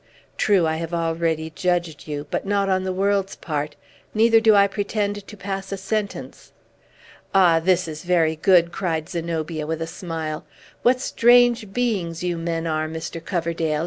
True, I have already judged you, but not on the world's part, neither do I pretend to pass a sentence!" "Ah, this is very good!" cried Zenobia with a smile. "What strange beings you men are, Mr. Coverdale!